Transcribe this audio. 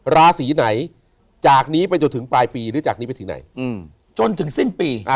ลาศีไหนจากนี้ไปจนถึงปลายปีหรือจนถึงที่ไหน